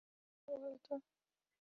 কী হচ্ছে বলোতো?